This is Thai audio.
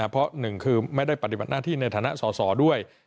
เพราะหนึ่งคือไม่ได้ปฏิบัติหน้าที่ในฐานะสอสอด้วย